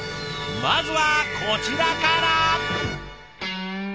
まずはこちらから。